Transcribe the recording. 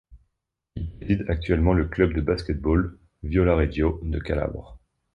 Il préside actuellement le club de basket-ball Viola Reggio de Calabre.